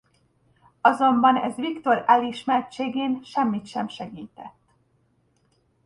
Azonban ez Viktor elismertségén semmit sem segített.